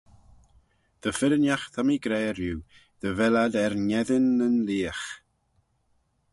Dy firrinagh ta mee gra riu, dy vel ad er ngheddyn nyn leagh.